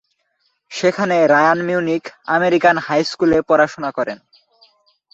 সেখানে Ryan Munich American high স্কুলে পড়াশোনা করেন।